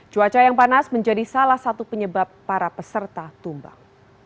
cuaca yang panas menjadi salah satu penyebab para peserta tumbang